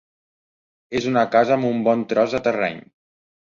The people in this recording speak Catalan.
És una casa amb un bon tros de terreny.